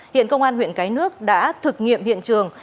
hiện công an huyện cái nước đã thực nghiệm hiện trường